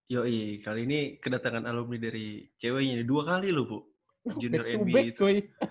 yoi kali ini kedatangan alumni dari ceweknya dua kali bu junior nba itu